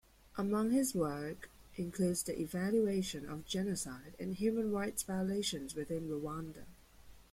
Among his work includes the evaluation of genocide and human rights violations within Rwanda.